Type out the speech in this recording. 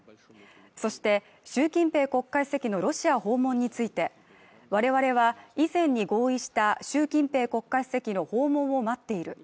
そして、習近平国会席のロシア訪問について我々は以前に合意した習近平国家主席の訪問を待っている。